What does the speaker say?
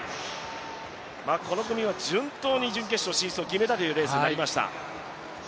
この組は順当に準決勝進出を決めたというレースになりました。